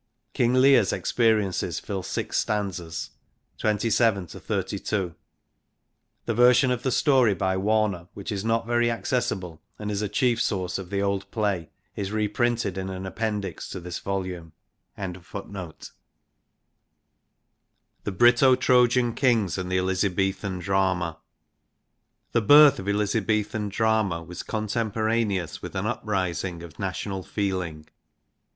King Leyr's experiences fill six .stanzas (27 32). The version of the story by Warner, which is not very accessible and is a chief source of the old play, is printed in an Appendix to this volume. xxviii INTRODUCTION The Brito Trojan Kings and the Elizabethan drama. The birth of Elizabethan drama was contem poraneous with an uprising of national feelmg.